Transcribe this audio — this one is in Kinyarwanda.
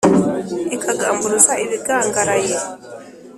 ikagamburuza ibigangaraye